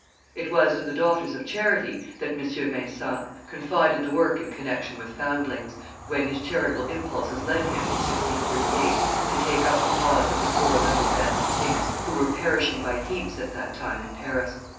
It was to the daughters of Charity that M. Vincent confided the work in connection with foundlings, when his charitable impulses led him, in 1638, to take up the cause of the poor little abandoned things who were perishing by heaps at that time in Paris.